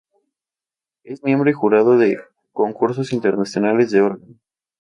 Es miembro y jurado de concursos internacionales de órgano.